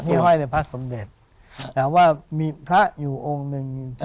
ห้อยในพระสมเด็จแต่ว่ามีพระอยู่องค์หนึ่ง